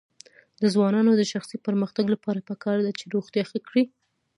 د ځوانانو د شخصي پرمختګ لپاره پکار ده چې روغتیا ښه کړي.